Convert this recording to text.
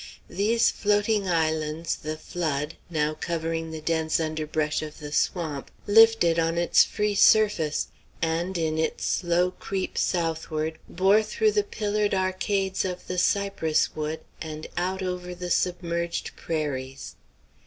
These floating islands the flood, now covering the dense underbrush of the swamp, lifted on its free surface, and, in its slow creep southward, bore through the pillared arcades of the cypress wood and out over the submerged prairies.